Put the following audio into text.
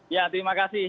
ya terima kasih